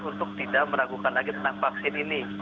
untuk tidak meragukan lagi tentang vaksin ini